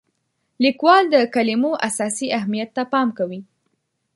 لیکوال د کلمو اساسي اهمیت ته پام کوي.